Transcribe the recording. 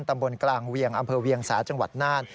ตำบลกลางเวียงอำเภอเวียงสาจังหวัดน่าน